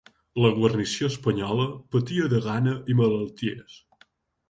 La guarnició espanyola, patia de gana i malalties.